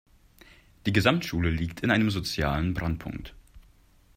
Die Gesamtschule liegt in einem sozialen Brennpunkt.